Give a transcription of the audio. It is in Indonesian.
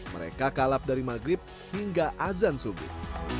mereka kalap dari maghrib hingga azan subih